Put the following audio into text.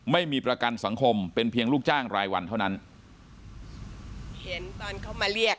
ไม่มีประกันสังคมเป็นเพียงลูกจ้างรายวันเท่านั้นเห็นตอนเขามาเรียก